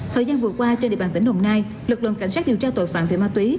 thời gian vừa qua trên địa bàn tỉnh đồng nai lực lượng cảnh sát điều tra tội phạm về ma túy